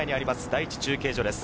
第１中継所です。